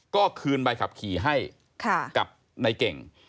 ก็คืนใบขับขี่ให้กับในเก่ง